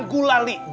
udah udah stop